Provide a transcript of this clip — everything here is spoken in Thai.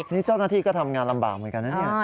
นี่เจ้าหน้าที่ก็ทำงานลำบากเหมือนกันนะเนี่ย